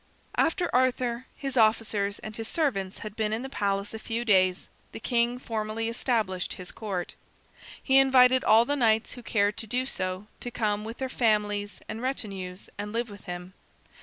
After Arthur, his officers, and his servants had been in the palace a few days, the king formally established his Court. He invited all the knights who cared to do so to come with their families and retinues and live with him.